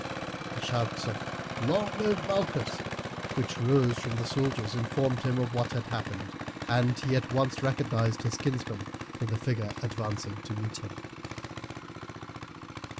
The shouts of "Long live Malchus!" which rose from the soldiers informed him of what had happened, and he at once recognized his kinsman in the figure advancing to meet him.